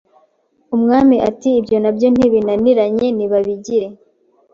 Umwami ati ibyo na byo ntibinaniranye nibabigire”.